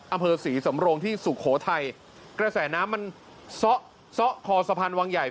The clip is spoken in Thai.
อำเภอศรีสำโรงที่สุโขทัยกระแสน้ำมันซ่อคอสะพานวังใหญ่